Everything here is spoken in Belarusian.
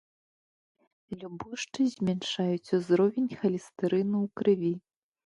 Любошчы змяншаюць узровень халестэрыну ў крыві.